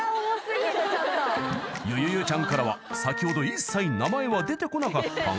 ちゃんからは先ほど一切名前は出てこなかったが］